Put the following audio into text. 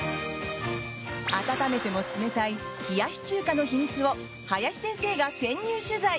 温めても冷たい冷やし中華の秘密を林先生が潜入取材。